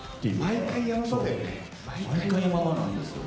毎回、ヤマ場なんですよ。